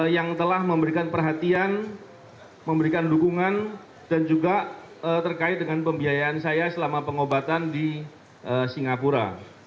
yang telah memberikan perhatian memberikan dukungan dan juga terkait dengan pembiayaan saya selama pengobatan di singapura